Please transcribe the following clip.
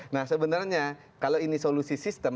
nah sebenarnya kalau ini solusi sistem